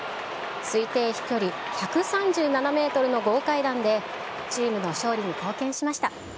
推定飛距離１３７メートルの豪快弾で、チームの勝利に貢献しました。